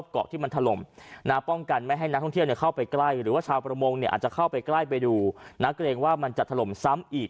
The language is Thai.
ใกล้ไปดูนักเรียงว่ามันจะถล่มซ้ำอีก